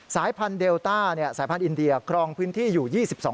สายพันธุเดลต้าสายพันธ์อินเดียครองพื้นที่อยู่๒๒